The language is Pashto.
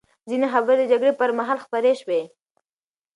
ځینې خبرې د جګړې پر مهال خپرې شوې.